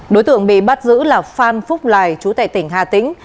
đối tượng bị bắt giữ là phan phúc lài chú tại tỉnh hà tĩnh